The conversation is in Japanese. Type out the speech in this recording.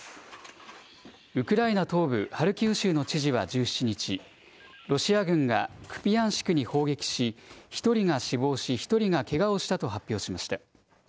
ウクライナ東部ハルキウ州の知事は１７日、ロシア軍がクピヤンシクに砲撃し、１人が死亡し、１人がけがをしたと発表しました。